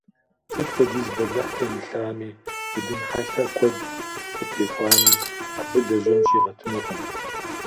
Сыт хуэдиз бэлыхь темылъами, удын хьэлъэ куэд къытехуами, абы лэжьэн щигъэтынукъым.